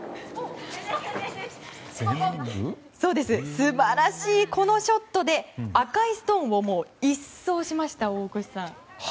素晴らしいこのショットで赤いストーンをもう一掃しました、大越さん。